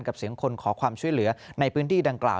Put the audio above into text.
เสียงคนขอความช่วยเหลือในพื้นที่ดังกล่าว